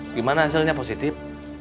gimana hasilnya positif